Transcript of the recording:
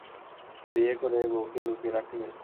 বিয়ে করে বৌকে লুকিয়ে রাখলে?